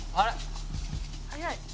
「早い」